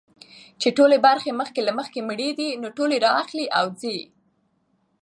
چي ټولي برخي مخکي له مخکي مړې دي نو ټولي را اخلي او ځي.